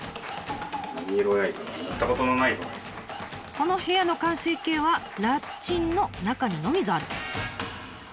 この部屋の完成形はらっちんの中にのみぞある。